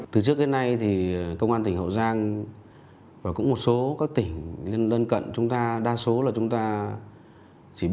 từ trước đến nay thì công an tỉnh hậu giang đã bắt giữ đức anh và nhất ý